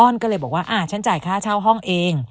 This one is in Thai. อนก็เลยบอกว่าฉันจ่ายค่าเช่าห้องเอง